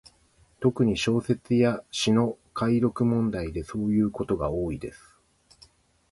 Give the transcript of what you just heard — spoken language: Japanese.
特に、小説や詩の読解問題でそういうことが多いです。